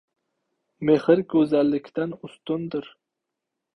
Mehr go‘zallikdan ustundir.